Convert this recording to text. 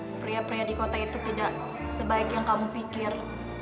karena pria pria di kota itu tidak sebaik yang kamu pikir